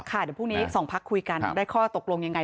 เดี๋ยวพรุ่งนี้สองพักคุยกันได้ข้อตกลงยังไง